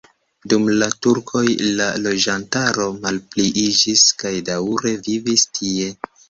Dum la turkoj la loĝantaro malpliiĝis kaj daŭre vivis tie.